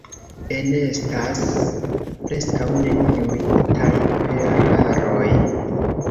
Enestas preskaŭ neniuj tajperaroj.